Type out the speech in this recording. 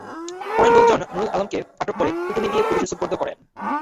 পরে লোকজন নুরুল আলমকে আটক করে পিটুনি দিয়ে পুলিশে সোপর্দ করেন।